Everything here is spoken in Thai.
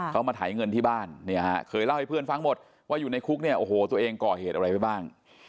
เขามาถ่ายเงินที่บ้านเนี่ยฮะเคยเล่าให้เพื่อนฟังหมดว่าอยู่ในคุกเนี่ยโอ้โหตัวเองก่อเหตุอะไรไว้บ้าง